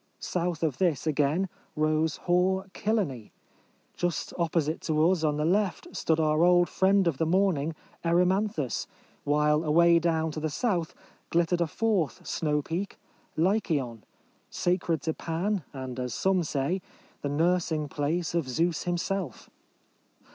South of this, again, rose hoar Kyllene. Just opposite to us on the left stood our old friend of the morning, Eryman thus; while away down to the south glittered a fourth snow peak — Lycaon — sacred to Pan, and, as some say, the nursing place of Zeus himself.